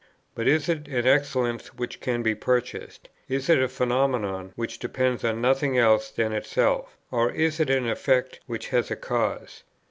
But is it an excellence which can he purchased? is it a phenomenon which depends on nothing else than itself, or is it an effect which has a cause?